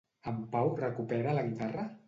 En Pau, recupera la guitarra?